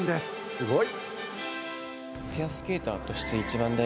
すごい！